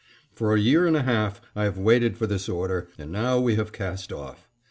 For a year and a half I have waited for this order, and now we have cast off.